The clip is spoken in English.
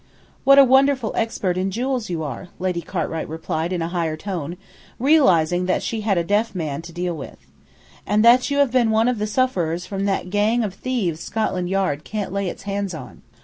"What a wonderful expert in jewels you are," Lady Cartwright replied in a higher tone, realizing that she had a deaf man to deal with. "And that you have been one of the sufferers from that gang of thieves Scotland Yard can't lay its hands on."